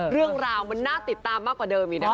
เรื่องราวมันน่าติดตามมากกว่าเดิมอีกนะคะ